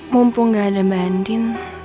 mumpung gak ada mbak andin